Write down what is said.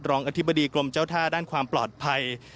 อธิบดีกรมเจ้าท่าด้านความปลอดภัย